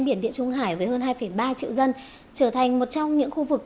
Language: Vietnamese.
biển địa trung hải với hơn hai ba triệu dân trở thành một trong những khu vực